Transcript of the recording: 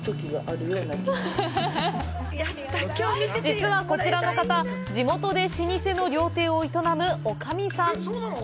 実はこちらの方、地元で老舗の料亭を営む、おかみさん。